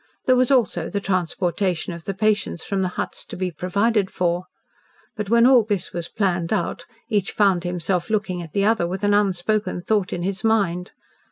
There was also the transportation of the patients from the huts to be provided for. But, when all this was planned out, each found himself looking at the other with an unspoken thought in his mind.